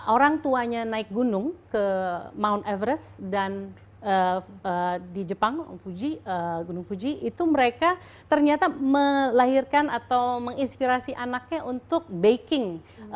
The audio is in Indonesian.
orang tuanya naik gunung ke mount everest dan di jepang gunung fuji itu mereka ternyata melahirkan atau menginspirasi anaknya untuk baking